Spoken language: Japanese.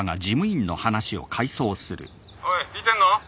おい聞いてんの？